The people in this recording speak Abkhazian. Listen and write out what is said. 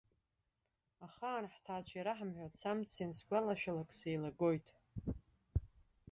Ахаан ҳҭаацәа ираҳамҳәац амц, иансгәалашәалак сеилагоит!